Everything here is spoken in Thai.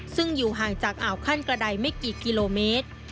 ซึ่งอยู่ห่างจากอ่าวขั้นกระดายไม่กี่กิโลเมตร